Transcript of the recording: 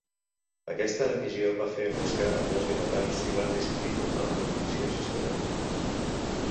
Aquesta emissió va fer engrescar a molts vilatans i van decidir formar una comissió gestora.